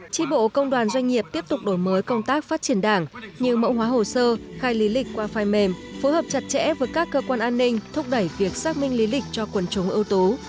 tri bộ công đoàn doanh nghiệp tiếp tục đổi mới công tác phát triển đảng như mẫu hóa hồ sơ khai lý lịch qua file mềm phối hợp chặt chẽ với các cơ quan an ninh thúc đẩy việc xác minh lý lịch cho quần chúng ưu tú